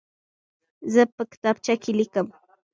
زه په کتابچه کې لیکم.